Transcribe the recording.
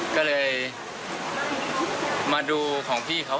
ก็เลยมาดูของพี่เขา